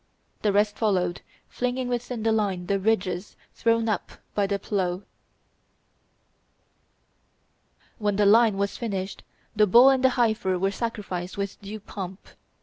The rest followed, flinging within the line the ridges thrown up by the plough. When the line was finished, the bull and the heifer were sacrificed with due pomp.